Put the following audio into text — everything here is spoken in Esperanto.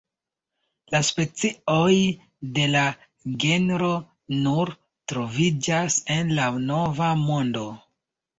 La specioj de la genro nur troviĝas en la Nova Mondo.